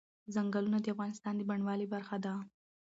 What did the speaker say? ځنګلونه د افغانستان د بڼوالۍ برخه ده.